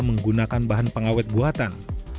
menggunakan bahan pengawet buatan